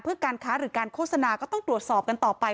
เพื่อการค้าหรือการโฆษณาก็ต้องตรวจสอบกันต่อไป